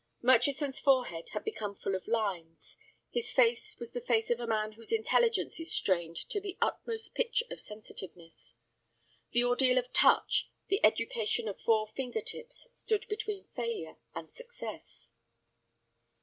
Murchison's forehead had become full of lines. His face was the face of a man whose intelligence is strained to the utmost pitch of sensitiveness. The ordeal of touch, the education of four finger tips, stood between failure and success.